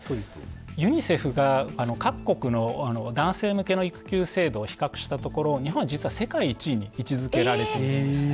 ユニセフが各国の男性向けの育休制度を比較したところ日本は実は世界１位に位置づけられているんですね。